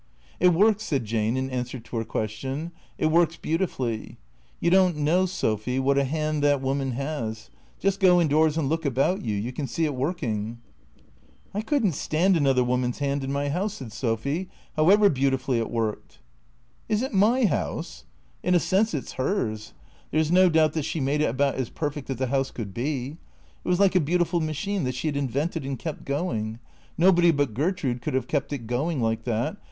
" It works," said Jane in answer to her question ;" it works beautifully. You don't know, Sophy, what a hand that woman has. Just go indoors and look about you. You can see it working." " I could n't stand another woman's hand in my house," said Sophy, " however beautifully it worked." " Is it my house ? In a sense it 's hers. There 's no doubt that she made it about as perfect as a house could be. It was like a beautiful machine that she had invented and kept going. Nobody but Gertrude could have kept it going like that.